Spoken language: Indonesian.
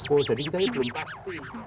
oh jadi kita ini belum pasti